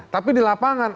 tapi di lapangan